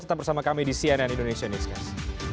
tetap bersama kami di cnn indonesia newscast